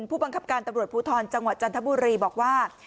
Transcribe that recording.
ผู้บังคับการตำรวจภูทรจังหวัดจันทบุรีบอกว่า